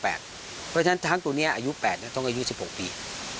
เพราะฉะนั้นช้างตัวนี้อายุ๘ต้องอายุ๑๖ปี